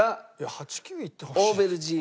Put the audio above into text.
８９いってほしい。